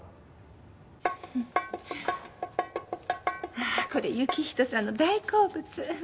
ああこれ行人さんの大好物。